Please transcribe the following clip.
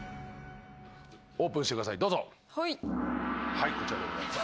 はいこちらでございます。